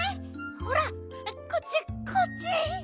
ほらこっちこっち。